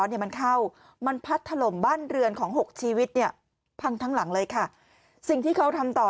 เนี่ยมันเข้ามันพัดถล่มบ้านเรือนของหกชีวิตเนี่ยพังทั้งหลังเลยค่ะสิ่งที่เขาทำต่อ